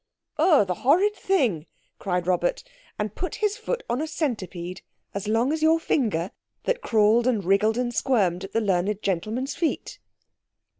"Oh, the horrid thing!" cried Robert, and put his foot on a centipede as long as your finger, that crawled and wriggled and squirmed at the learned gentleman's feet.